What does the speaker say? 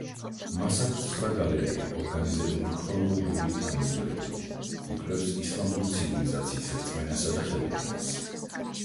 მას აქვს ცხრა გალერეა ორგანიზებული ქრონოლოგიური თანმიმდევრობით, იკვლევს ისლამური ცივილიზაციის რწმენასა და ხელოვნებას.